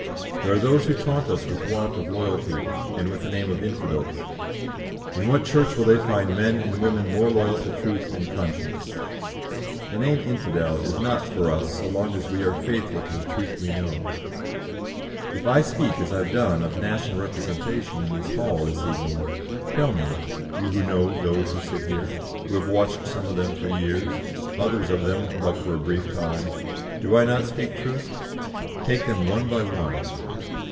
There are those who taunt us with want of loyalty, and with the name of infidels. In what church will they find men and women more loyal to truth and conscience? The name infidel is not for us so long as we are faithful to the truth we know. If I speak, as I have done, of national representation in this hall this evening, tell me, you who know those who sit here, who have watched some of them for years, others of them but for a brief time, do I not speak truth? Take them one by one.